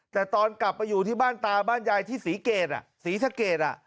แต่ตอนกลับมาอยู่ที่บ้านตาบ้านยายที่ศรีเกฎฐ์สีทรเกฎฐ์